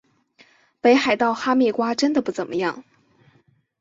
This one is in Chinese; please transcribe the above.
北海道哈密瓜真的不怎么样